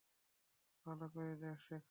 ভালো করে শোঁকো।